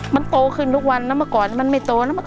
มันโตขึ้นทุกวันนะเมื่อก่อนมันไม่โตนะ